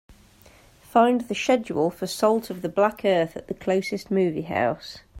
Find the schedule for Salt of the Black Earth at the closest movie house.